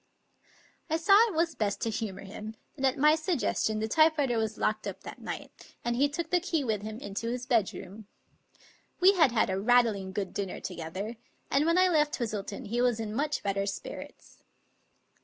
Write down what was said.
I saw it was best to humor him, and at my suggestion the typewriter was locked up that night, and he took the key with him into his bedroom. We had had a rattling good dinner together, and when I left Twistleton he was in much better spirits.